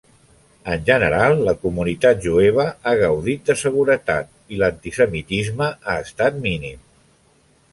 En general, la comunitat jueva ha gaudit de seguretat i l'antisemitisme ha estat mínim.